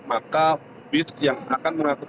maka bus yang akan mengatur